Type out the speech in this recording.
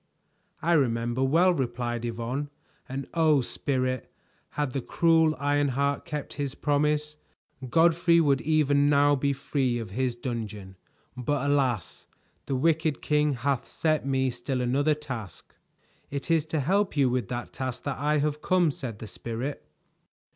"I remember well," replied Yvonne, "and oh, Spirit, had the cruel Ironheart kept his promise, Godfrey would even now be free of his dungeon; but alas! The wicked king hath set me still another task." "It is to help you with that task that I have come," said the Spirit.